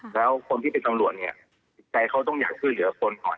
แล้วคนที่เป็นสังหลวนใจเขาต้องอย่าคืนเหลือคนห่อน